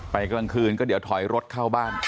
กลางคืนก็เดี๋ยวถอยรถเข้าบ้าน